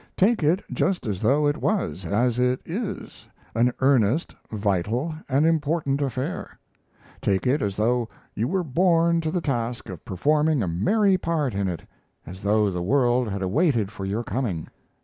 Take it just as though it was as it is an earnest, vital, and important affair. Take it as though you were born to the task of performing a merry part in it as though the world had awaited for your coming.